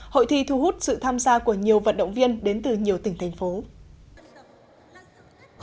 hội thi thu hút sự tham gia của nhiều vận động viên đến từ nhiều tỉnh thành phố